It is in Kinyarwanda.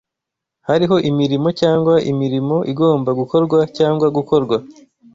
Hariho imirimo cyangwa imirimo igomba gukorwa cyangwa gukorwa